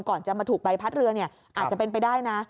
ก่อนจะมาถูกใบพัดเรืออาจจะเป็นไปได้นะ